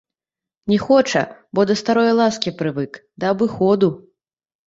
Не хоча, бо да старое ласкі прывык, да абыходу.